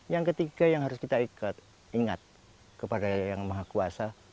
yang ketiga yang harus kita ingat kepada yang maha kuasa